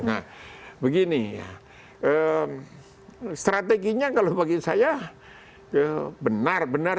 nah begini ya strateginya kalau bagi saya benar benar